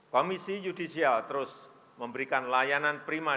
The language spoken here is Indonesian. komisi yudisial terus memberikan layanan prima